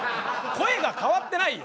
声変わってない？